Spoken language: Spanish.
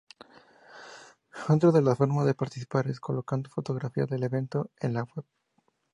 Otras de las formas de participar es colocando fotografías del evento en la web.